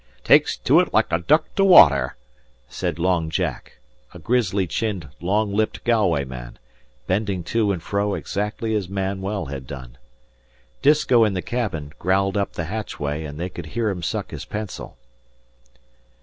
"Takes to ut like a duck to water," said Long Jack, a grizzly chinned, long lipped Galway man, bending to and fro exactly as Manuel had done. Disko in the cabin growled up the hatchway, and they could hear him suck his pencil.